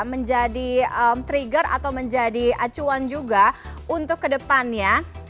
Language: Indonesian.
menjadi trigger atau menjadi acuan juga untuk kedepannya